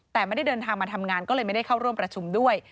แต่ไม่ได้เดินทางมาทำงานก็เลยไม่ได้เข้าร่วมประชุมด้วย